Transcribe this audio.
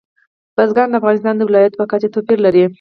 بزګان د افغانستان د ولایاتو په کچه توپیر لري.